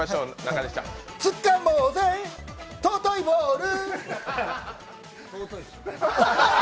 つっかもうぜ、尊いボール。。